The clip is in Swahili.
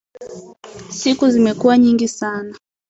Siku zimekuwa nyingi sana.